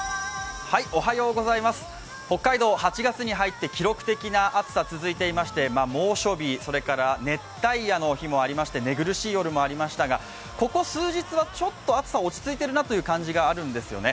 北海道８月に入って記録的な暑さ続いていまして猛暑日、熱帯夜の日もありまして寝苦しい夜もありましたがここ数日はちょっと暑さが落ち着いているなという感じがあるんですよね